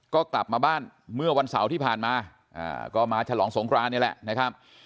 ก็กลับมาบ้านเมื่อวันเสาร์ที่ผ่านมาก็มาฉลองสงครานนี่แหละนะครับ